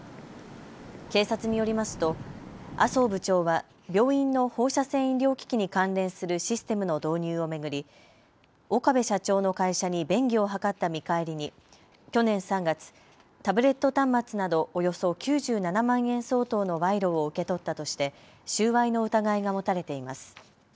警察によりますと麻生部長は病院の放射線医療機器に関連するシステムの導入を巡り岡部社長の会社に便宜を図った見返りに去年３月、タブレット端末などおよそ９７万円相当の賄賂を受け取ったとして収賄の疑いが持たれています。